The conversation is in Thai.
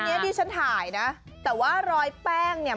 อันนี้ดิฉันถ่ายนะแต่ว่ารอยแป้งเนี่ย